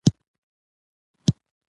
له مورچله تر مورچله پوري ځغلو